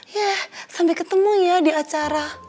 ya sampai ketemu ya di acara